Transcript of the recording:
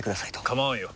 構わんよ。